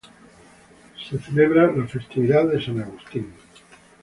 Se celebra la festividad de San Agustín.